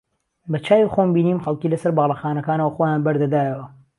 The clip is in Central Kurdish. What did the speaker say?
بەچاوی خۆم بینیم خەڵکی لەسەر باڵەخانەکانەوە خۆیان بەردەدایەوە